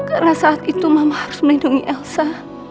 karena saat itu mama harus melindungi elsa